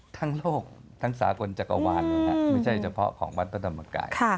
ทั้งโลกทั้งสากลจักรวาลไม่ใช่เฉพาะของวัดพระธรรมกาย